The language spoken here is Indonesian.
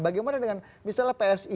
bagaimana dengan misalnya psi